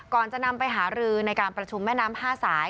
ก่อนจะนำไปหารือในการประชุมแม่น้ำ๕สาย